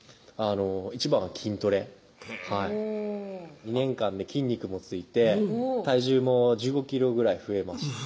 一番は筋トレ２年間で筋肉もついて体重も１５ｋｇぐらい増えました